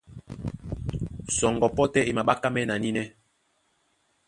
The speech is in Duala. Sɔŋgɔ pɔ́ tɛ́ e maɓákámɛ́ na nínɛ́.